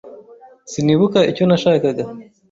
Sinibuka icyo nashakaga.